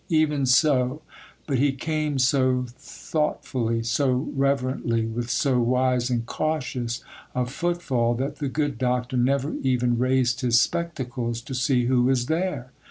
Even so;—but he came so thoughtfully, so reverently, with so wise and cautious a footfall, that the good Doctor never even raised his spectacles to see who was there.